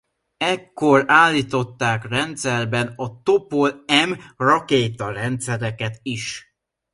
Ekkor állították rendszerbe a Topol-M rakétarendszereket is.